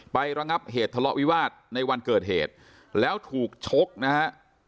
ระงับเหตุทะเลาะวิวาสในวันเกิดเหตุแล้วถูกชกนะฮะ